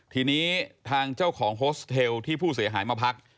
ทีนี้ทางเจ้าของโฮสเทลที่ผู้เสียหายมาพัก